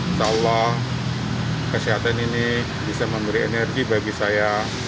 insya allah kesehatan ini bisa memberi energi bagi saya